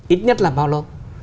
ít nhất là bao lâu